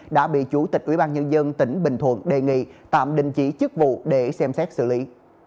đã bị chủ tịch ủy ban nhân dân tỉnh bình thuận đề nghị tạm đình chỉ chức vụ để xem xét xử lý